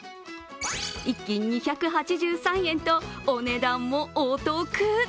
１斤２８３円とお値段もお得！